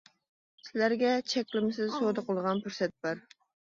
سىلەرگە چەكلىمىسىز سودا قىلىدىغان پۇرسەت بار.